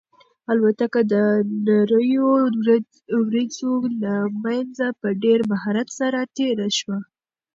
الوتکه د نريو وريځو له منځه په ډېر مهارت سره تېره شوه.